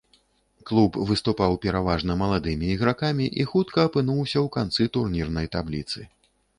Клуб выступаў пераважна маладымі ігракамі і хутка апынуўся ў канцы турнірнай табліцы.